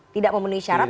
tidak memenuhi syarat